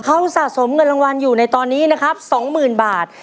เขาสะสมเงินรางวัลอยู่ในตอนนี้นะครับ๒๐๐๐บาท